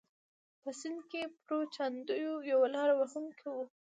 په سند کې پرو چاندیو یو لاره وهونکی و.